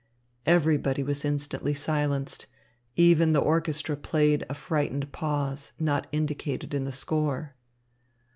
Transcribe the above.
Everybody was instantly silenced. Even the orchestra played a frightened pause not indicated in the score.